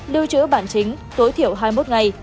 lưu trữ bản chính tối thiểu hai mươi một ngày